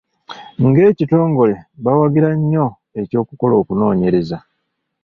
Ng’ekitongole, bawagira nnyo eky’okukola okunoonyereza.